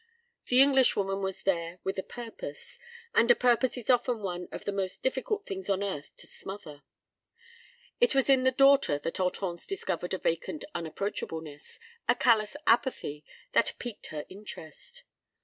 The Englishwoman was there with a purpose, and a purpose is often one of the most difficult things on earth to smother. It was in the daughter that Hortense discovered a vacant unapproachableness, a callous apathy that piqued her interest.